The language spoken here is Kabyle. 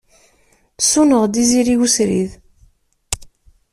Ssuneɣ-d izirig usrid.